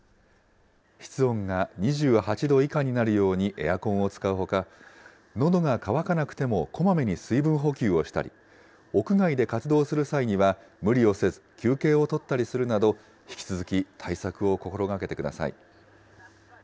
室温が２８度以下になるようにエアコンを使うほか、のどが渇かなくてもこまめに水分補給をしたり、屋外で活動する際には無理をせず休憩を取ったりするなど、引き続き対策を心がけてください。